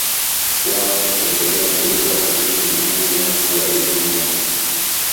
wao hupendelea kuitwa Arimi yaani watu wa Rimi moja